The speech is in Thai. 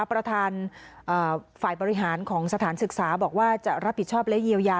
ประธานฝ่ายบริหารของสถานศึกษาบอกว่าจะรับผิดชอบและเยียวยา